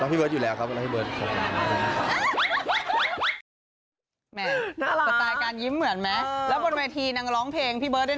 แล้วพี่เบิร์ดอยู่แล้วครับแล้วพี่เบิร์ดขอบคุณมาก